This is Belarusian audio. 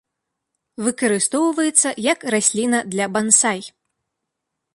Выкарыстоўваецца як расліна для бансай.